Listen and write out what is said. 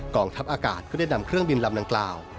ทัพอากาศก็ได้นำเครื่องบินลำดังกล่าว